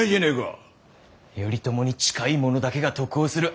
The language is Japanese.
頼朝に近い者だけが得をする。